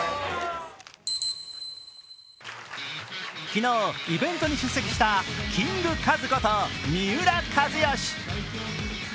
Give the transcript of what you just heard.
昨日、イベントに出席したキングカズこと三浦知良。